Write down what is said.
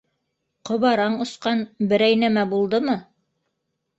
Ҡобараң осҡан, берәй нәмә булдымы?